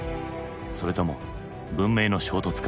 それとも文明の衝突か？